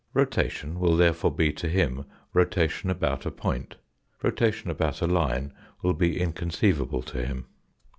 Rotation will therefore be to him rotation about a point. Rotation about a line will be inconceivable to him.